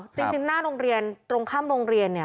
จริงหน้าโรงเรียนตรงข้ามโรงเรียนเนี่ย